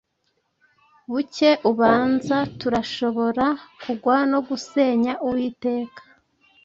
Buke ubanza turashobora kugwa no gusenya Uwiteka